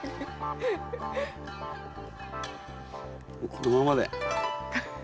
このままで。